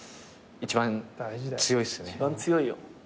一番強いよ。